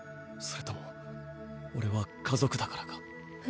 それともオレは家族だからか？